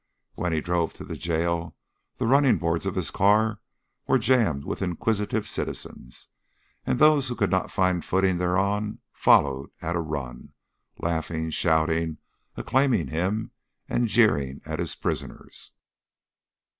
When he drove to the jail the running boards of his car were jammed with inquisitive citizens, and those who could not find footing thereon followed at a run, laughing, shouting, acclaiming him and jeering at his prisoners.